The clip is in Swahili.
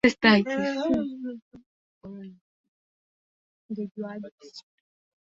bora Lengo kuu la matibabu ya kulevya ni kumwezesha mtu binafsi